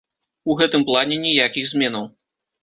У гэтым плане ніякіх зменаў.